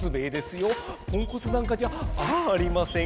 ポンコツなんかじゃありません。